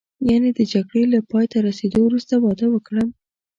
یعنې د جګړې له پایته رسېدو وروسته واده وکړم.